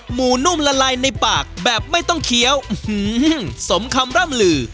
หมูนุ่มละลายในปากแบบไม่ต้องเคี้ยวสมคำร่ำลือ